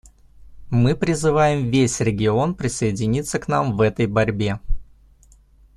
Мы призываем весь регион присоединиться к нам в этой борьбе.